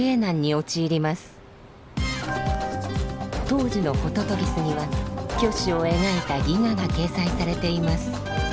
当時の「ホトトギス」には虚子を描いた戯画が掲載されています。